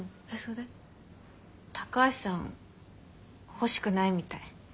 高橋さん欲しくないみたい。